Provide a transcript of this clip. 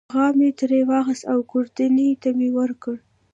غاب مې ترې واخیست او ګوردیني ته مې ورکړ.